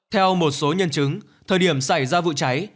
theo một số nhân chứng thời điểm xảy ra vụ cháy